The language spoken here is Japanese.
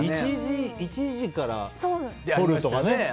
１時から撮るとかね。